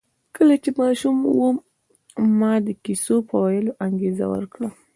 کله چې ماشوم و ما د کیسو په ویلو انګېزه ورکړه